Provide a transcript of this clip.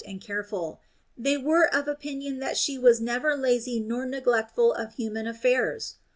231 and careful, they were of opinion that she was never lazy nor neglectful of human affairs?